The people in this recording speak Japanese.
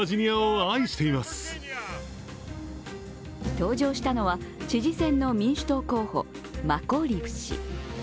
登場したのは知事選の民主党候補、マコーリフ氏。